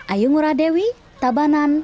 ayu nguradewi tabanan